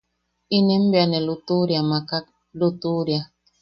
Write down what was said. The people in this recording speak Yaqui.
Inen ne bea ne a lutuʼuria makak. lutuʼuria.